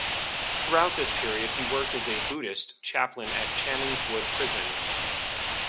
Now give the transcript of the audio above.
Throughout this period he worked as a Buddhist chaplain at Channings Wood Prison.